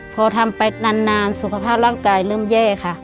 พอทำไปนานสุขภาพร่างกายเริ่มแย่ค่ะ